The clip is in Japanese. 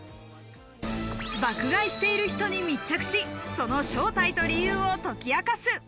爆買いしている人に密着し、その正体と理由を解き明かす。